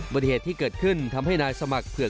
บันที่เหตุที่เกิดขึ้นทำให้นายสมัคร